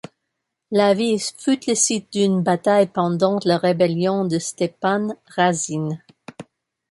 La ville fut le site d'une bataille pendant la rébellion de Stepan Razine.